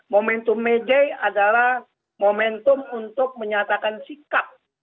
momentum may day adalah momentum untuk menyatakan sikap